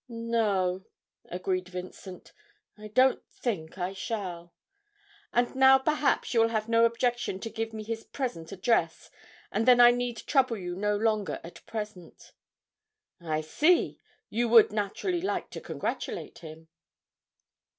'No,' agreed Vincent, 'I don't think I shall. And now perhaps you will have no objection to give me his present address, and then I need trouble you no longer at present.' 'I see you would naturally like to congratulate him!'